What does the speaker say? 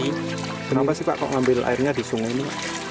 kenapa sih pak kok ngambil airnya di sungai ini